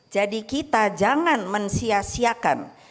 jadi kita jangan mensiasiakan